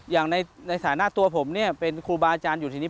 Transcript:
อย่างในสถานที่ตัวผมคุณบาอาจารย์อยู่ที่นี่